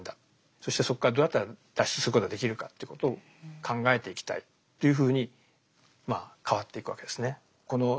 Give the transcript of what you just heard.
そしてそこからどうやったら脱出することができるかということを考えていきたいというふうにまあ変わっていくわけですね。